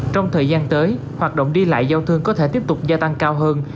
trong thời gian tới hoạt động đi lại giao thương có thể tiếp tục gia tăng cao hơn